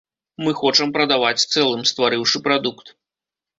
Мы хочам прадаваць цэлым, стварыўшы прадукт.